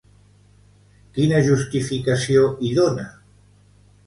Quina justificació hi dona?